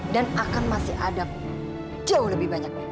dan akan masih ada jauh lebih banyak